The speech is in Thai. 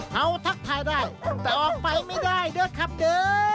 เขาทักทายได้แต่ออกไปไม่ได้เด้อครับเด้อ